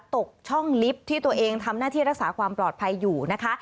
ตกช่องลิฟท์ที่ตัวเองทำหน้าที่รักษาความปลอดภัยอยู่นะคะ